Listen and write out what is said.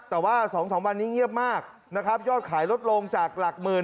แต่ว่า๒๓วันนี้เงียบมากนะครับยอดขายลดลงจากหลักหมื่น